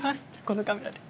このカメラで。